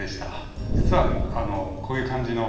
実はこういう感じの。